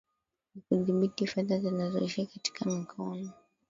ni kudhibiti fedha zinazoishia katika mikono